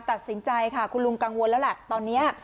ตัดสินใจค่ะคุณลุงกังวลแล้วแหละตอนนี้